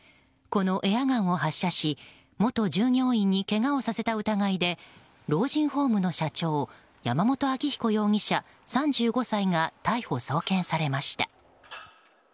このエアガンを発射し元従業員にけがをさせた疑いで老人ホームの社長山本明彦容疑者、３５歳が逮捕・送検されました。